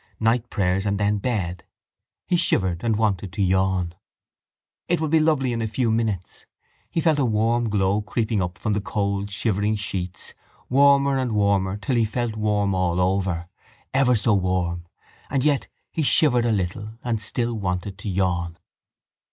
Night prayers and then bed: he shivered and wanted to yawn. It would be lovely in a few minutes. He felt a warm glow creeping up from the cold shivering sheets, warmer and warmer till he felt warm all over, ever so warm and yet he shivered a little and still wanted to yawn.